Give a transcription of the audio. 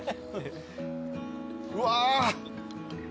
うわ！